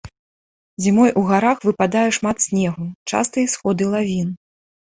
Зімой у гарах выпадае шмат снегу, частыя сходы лавін.